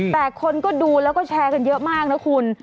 แต่คนก็ดูแล้วก็แชร์กันเยอะมากนะคุณ